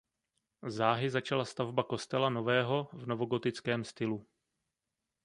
Záhy začala stavba kostela nového v novogotickém stylu.